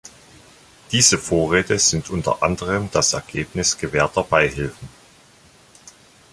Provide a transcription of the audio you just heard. Diese Vorräte sind unter anderem das Ergebnis gewährter Beihilfen.